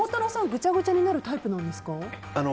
ぐちゃぐちゃになるタイプですか。